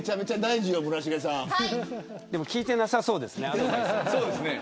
でも聞いてなさそうですね。